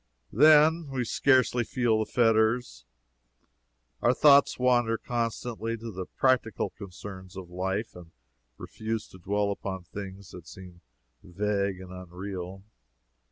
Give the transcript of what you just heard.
Then, we scarcely feel the fetters. Our thoughts wander constantly to the practical concerns of life, and refuse to dwell upon things that seem vague and unreal.